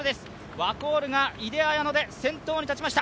ワコールが井手彩乃で先頭に立ちました。